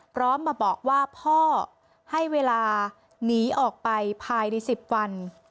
พร้อมมาบอกว่าพ่อให้เวลาหนีออกไปภายใน๑๐วัน